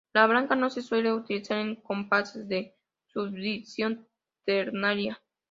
La blanca no se suele utilizar en compases de subdivisión ternaria.